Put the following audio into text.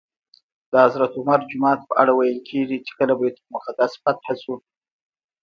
د حضرت عمر جومات په اړه ویل کېږي چې کله بیت المقدس فتح شو.